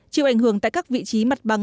chịu ảnh hưởng tại các vị trí mặt bằng